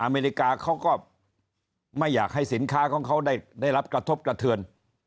อเมริกาเขาก็ไม่อยากให้สินค้าของเขาได้รับกระทบกระเทือน